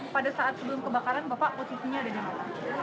pada saat sebelum kebakaran bapak posisinya ada di mana